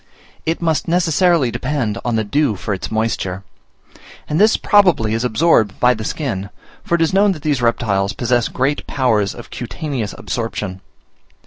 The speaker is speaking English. It must necessarily depend on the dew for its moisture; and this probably is absorbed by the skin, for it is known, that these reptiles possess great powers of cutaneous absorption.